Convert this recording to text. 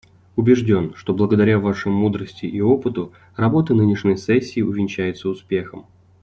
Убежден, что благодаря Вашим мудрости и опыту работа нынешней сессии увенчается успехом.